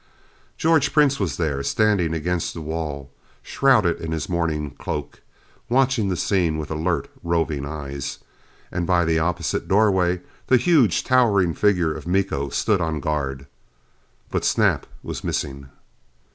George Prince was there, standing against the wall, shrouded in his mourning cloak, watching the scene with alert, roving eyes. And by the opposite doorway, the huge towering figure of Miko stood on guard. But Snap was missing.